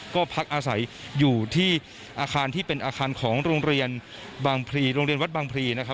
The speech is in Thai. ก็พักอาศัยอยู่ที่อาคารที่เป็นอาคารของโรงเรียนวัดบางพรี